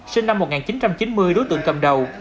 sinh năm một nghìn chín trăm chín mươi đối tượng cầm đầu